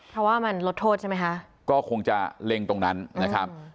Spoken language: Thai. เพราะว่ามันลดโทษใช่ไหมคะก็คงจะเล็งตรงนั้นนะครับ